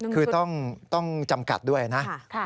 คือต้องจำกัดด้วยนะ